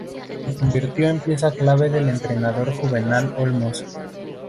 Se convirtió en pieza clave del entrenador Juvenal Olmos.